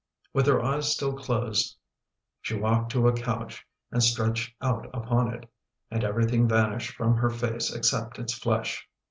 With her eyes still closed she walked to a couch and stretched out upon it, and everything vanished from her face except its flesh.